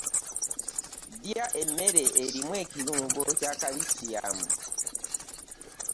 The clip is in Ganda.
Lya emmere erimu ekirungo kya kalisiyamu.